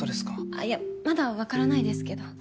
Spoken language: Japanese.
あっいやまだわからないですけど。